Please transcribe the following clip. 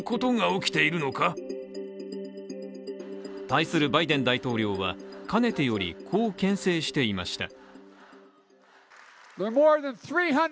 対するバイデン大統領はかねてより、こうけん制していました。